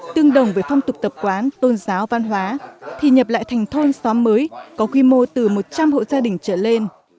tương đồng với phong tục tập quán tôn giáo văn hóa thì nhập lại thành thôn xóm mới có quy mô từ một trăm linh hộ gia đình trở lên